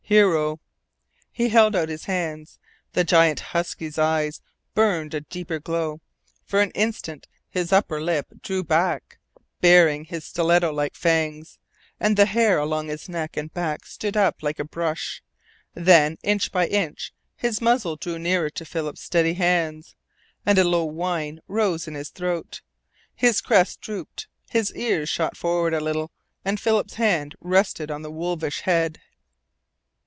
"Hero " He held out his hands. The giant husky's eyes burned a deeper glow; for an instant his upper lip drew back, baring his stiletto like fangs, and the hair along his neck and back stood up like a brush. Then, inch by inch, his muzzle drew nearer to Philip's steady hands, and a low whine rose in his throat. His crest drooped, his ears shot forward a little, and Philip's hand rested on the wolfish head.